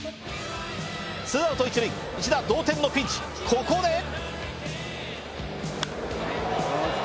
２アウト１塁１打同点のピンチ、ここで。